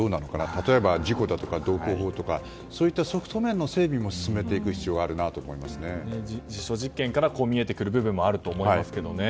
例えば事故だとか道交法だとかそういったソフト面の整理も進めていく必要が実証実験から見えてくる部分もあると思いますが。